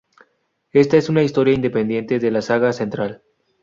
Esta es una historia independiente de la saga central.